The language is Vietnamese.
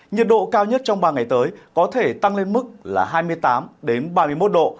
nhiệt độ cao nhất trong ba ngày tới có thể tăng lên mức là hai mươi tám ba mươi một độ